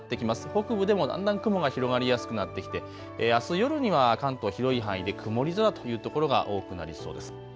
北部でもだんだん雲が広がりやすくなってきて、あす夜には関東広い範囲で曇り空というところが多くなりそうです。